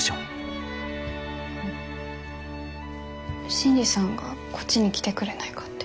新次さんがこっちに来てくれないかって。